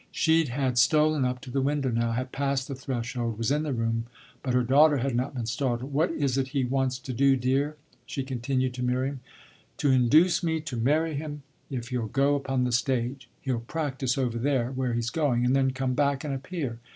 She had stolen up to the window now, had passed the threshold, was in the room, but her daughter had not been startled. "What is it he wants to do, dear?" she continued to Miriam. "To induce me to marry him if he'll go upon the stage. He'll practise over there where he's going and then come back and appear.